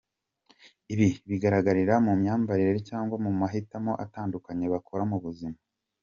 Ibi bigaragarira mu myambarire cyangwa mu mahitamo atandukanye bakora mu buzima.